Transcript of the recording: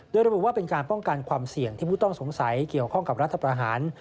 โดยระบุว่าเป็นการป้องกันความเสี่ยงที่ผู้ต้องสงสัยเกี่ยวข้องกับรัฐประหาร